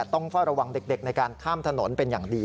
ต้องเฝ้าระวังเด็กในการข้ามถนนเป็นอย่างดี